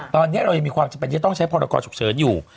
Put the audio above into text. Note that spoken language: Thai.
ตอนนี้เรายังมีความจำเป็นที่จะต้องใช้พรกรฉุกเฉินอยู่